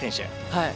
はい。